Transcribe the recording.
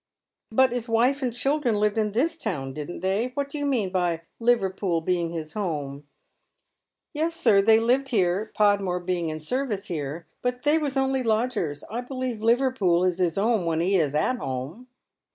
" But his wife and children lived in this town, didn't they ? What do you mean by Liverpool being his home ?"" Yes, sir, they lived here, Podmore being in service here, but they was only lodgers. I believe Liverpool is his 'ome when he is at 'ome."